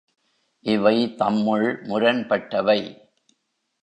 இவை, தம்முள் முரண்பட்டவை.